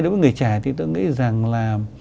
đối với người trẻ thì tôi nghĩ rằng là